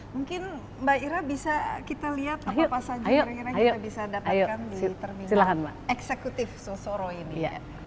mungkin mbak ira bisa kita lihat apa apa saja kira kira kita bisa dapatkan di terminal eksekutif sosoro ini